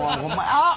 あっ！